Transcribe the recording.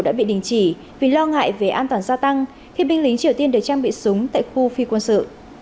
đã bị đình chỉ vì lo ngại về an toàn gia tăng khi binh lính triều tiên được trang bị súng tại khu phi quân sự